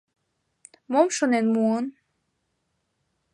Мом шонен муын!